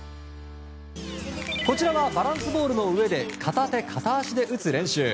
こちらはバランスボールの上で片手片足で打つ練習。